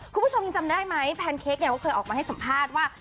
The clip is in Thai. คุณผู้ชมยังจำได้ไหมแพนเค้กเนี่ยก็เคยออกมาให้สัมภาษณ์ว่า